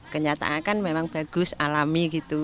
kenyataan kan memang bagus alami gitu